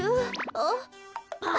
あっ。